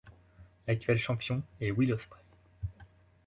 L'actuel champion est Will Ospreay.